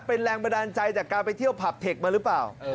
เป็นแรงบันดาลใจจากการไปเที่ยวผับเทคมาหรือเปล่า